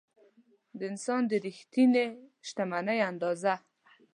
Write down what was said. د انسان د رښتینې شتمنۍ اندازه.